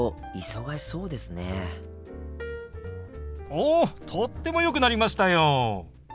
おとってもよくなりましたよ！